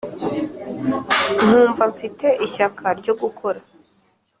nkumva mfite ishyaka ryo gukora